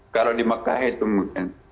kalau di makkah itu mungkin